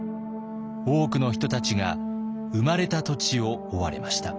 多くの人たちが生まれた土地を追われました。